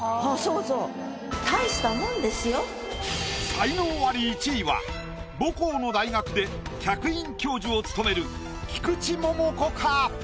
才能アリ１位は母校の大学で客員教授を務める菊池桃子か？